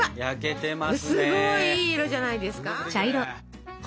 すごいいい色じゃないですか！